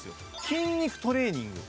筋肉トレーニング